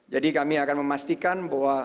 jadi kami akan memastikan bahwa